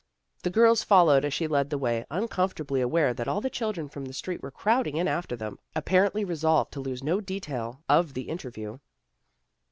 The girls followed as she led the way, uncomfortably aware that all the children from the street were crowding in after them, apparently re solved to lose no detail of the interview.